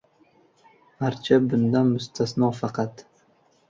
Archa bundan mustasno faqat.